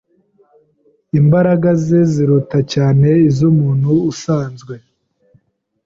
Imbaraga ze ziruta cyane iz'umuntu usanzwe.